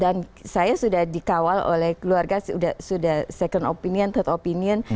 dan saya sudah dikawal oleh keluarga sudah second opinion third opinion